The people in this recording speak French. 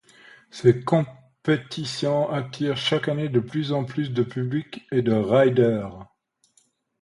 Ces compétitions attirent chaque année de plus en plus de public et de riders.